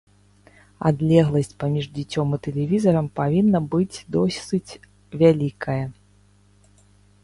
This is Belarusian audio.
Адлегласць паміж дзіцём і тэлевізарам павінна быць досыць вялікая.